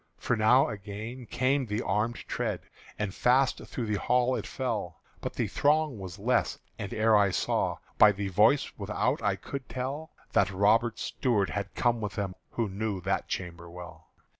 For now again came the armèd tread, And fast through the hall it fell; But the throng was less: and ere I saw, By the voice without I could tell That Robert Stuart had come with them Who knew that chamber well.